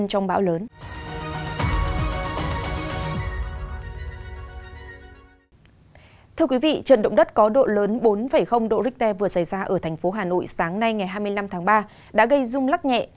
thưa quý vị trận động đất có độ lớn bốn độ richter vừa xảy ra ở thành phố hà nội sáng nay ngày hai mươi năm tháng ba đã gây rung lắc nhẹ